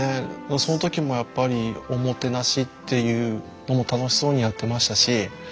その時もやっぱりおもてなしっていうのも楽しそうにやってましたし。